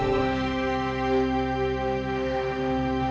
tidak ada siapa di sana